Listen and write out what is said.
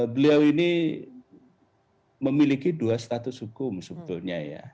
beliau ini memiliki dua status hukum sebetulnya ya